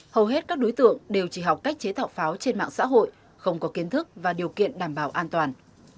hầu hết các đối tượng đều chỉ học cách chế tạo pháo trên mạng xã hội không có kiến thức và điều kiện đảm bảo an toàn